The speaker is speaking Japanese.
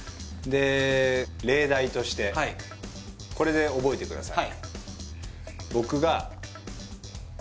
例題としてこれで覚えてください